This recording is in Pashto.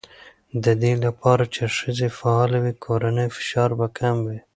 د دې لپاره چې ښځې فعاله وي، کورنی فشار به کم شي.